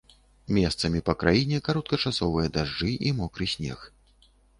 Месцамі па краіне кароткачасовыя дажджы і мокры снег.